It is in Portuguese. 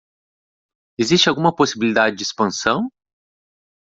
Existe alguma possibilidade de expansão?